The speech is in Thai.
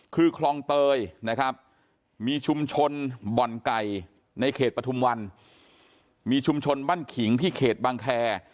คือคลองเตยนะครับมีชุมชนบ่อนไก่ในเขตปฐุมวันมีชุมชนบ้านขิงที่เขตบางแคร์